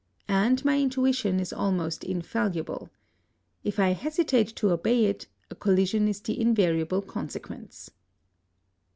And my intuition is almost infallible. If I hesitate to obey it, a collision is the invariable consequence.